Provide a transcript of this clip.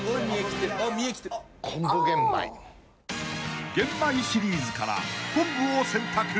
［玄米シリーズから昆布を選択］